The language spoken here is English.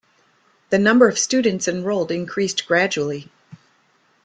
The number of students enrolled increased gradually.